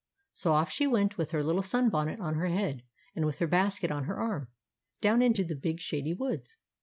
So off she went, with her little sun bon net on her head and with her basket on her arm, down into the big shady woods.